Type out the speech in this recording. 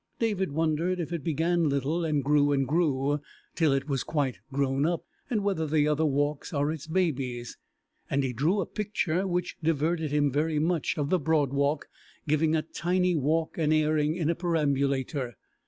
David wondered if it began little, and grew and grew, till it was quite grown up, and whether the other walks are its babies, and he drew a picture, which diverted him very much, of the Broad Walk giving a tiny walk an airing in a perambulator.